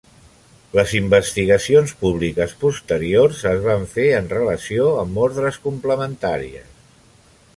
Les investigacions públiques posteriors es van fer en relació amb ordres complementàries.